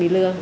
phải bị lừa